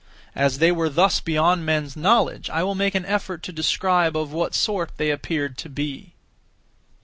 As they were thus beyond men's knowledge, I will make an effort to describe of what sort they appeared to be.